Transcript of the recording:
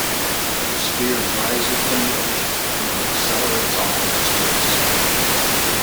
The sphere rises from the ocean and then accelerates off into space.